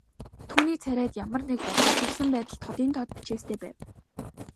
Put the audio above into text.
Түүний царайд ямар нэг бодлогоширсон байдал тодын тод бичээстэй байв.